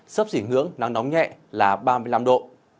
sắp dính hướng nắng nóng nhẹ là ba mươi năm độ